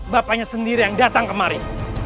bapaknya sendiri yang datang kemarin